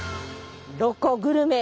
ロコグルメ